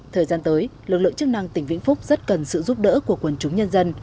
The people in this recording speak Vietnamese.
thời gian tới lực lượng chức năng tỉnh vĩnh phúc rất cần sự giúp đỡ của quần chúng nhân dân